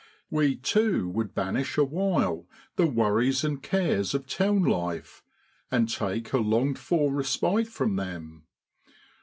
We, too, would banish awhile the worries and cares of town life and take a longed for respite from them.